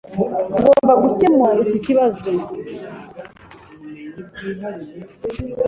Ngomba gukemura iki kibazo.